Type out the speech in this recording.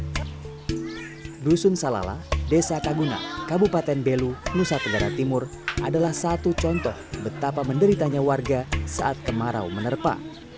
selama tahun selala desa kaguna kabupaten belu nusa tenggara timur adalah satu contoh betapa menderitanya warga saat kemarau menerpa